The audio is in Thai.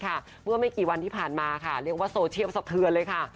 เรียกว่าโซเชียลสะเทือนเลยค่ะ